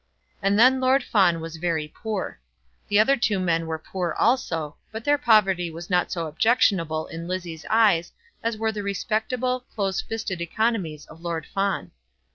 And then Lord Fawn was very poor. The other two men were poor also; but their poverty was not so objectionable in Lizzie's eyes as were the respectable, close fisted economies of Lord Fawn.